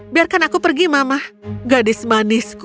biarkan aku pergi mama